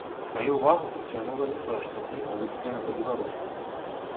Маю ўвагу прыцягнула не толькі тое, што кніга выдадзена па-беларуску.